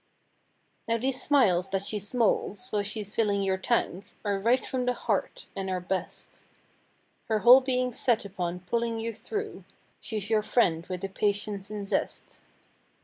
Now these smiles that she "smoles" while she's filling your tank Are right from the heart—and are best. Her whole being's set upon pulling you through— 84 She's your friend with the patience and zest.